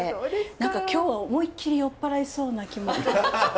何か今日は思いっきり酔っ払いそうな気も。